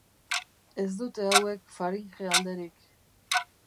Ez dute hauek faringe alderik.